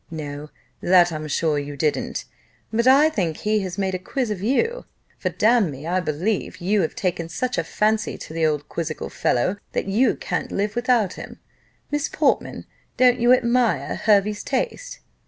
No, that I'm sure you didn't; but I think he has made a quiz of you: for, damme, I believe you have taken such a fancy to the old quizzical fellow, that you can't live without him. Miss Portman, don't you admire Hervey's taste?"